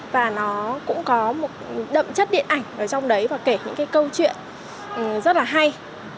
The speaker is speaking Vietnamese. và nó cũng có một đậm chất điện ảnh ở trong đấy và kể những cái câu chuyện rất là hay